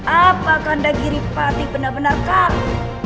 apakah anda giripati benar benar kamu